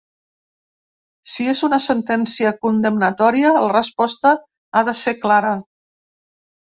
Si és una sentència condemnatòria, la resposta ha de ser clara.